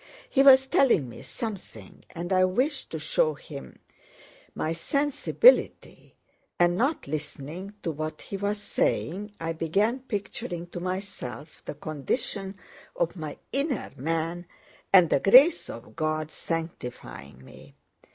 He was telling me something, and I wished to show him my sensibility, and not listening to what he was saying I began picturing to myself the condition of my inner man and the grace of God sanctifying me.